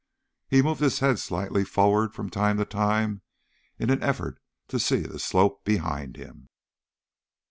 He moved his head slightly forward from time to time in an effort to see the slope behind him.